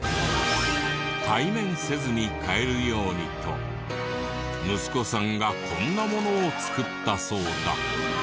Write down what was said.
対面せずに買えるようにと息子さんがこんなものをつくったそうだ。